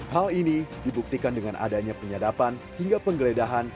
hal ini dibuktikan dengan adanya penyadapan hingga penggeledahan